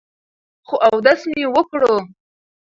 خو اودس مې وکړو ـ